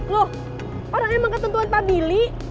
loh orang emang ketentuan pabili